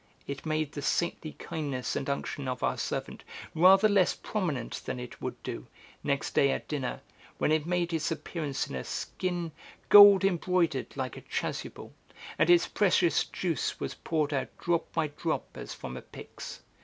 it made the saintly kindness and unction of our servant rather less prominent than it would do, next day at dinner, when it made its appearance in a skin gold embroidered like a chasuble, and its precious juice was poured out drop by drop as from a pyx.